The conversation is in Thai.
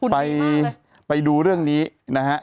ไปดูเรื่องนี้นะฮะ